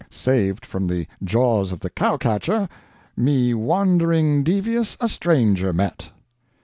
Saved from the jaws of the cow catcher, me wandering devious a stranger met.